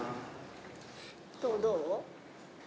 どう？